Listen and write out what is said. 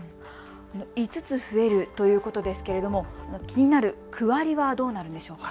５つ増えるということですけれども、気になる区割りはどうなるんでしょうか。